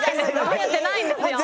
見えてないんですよ。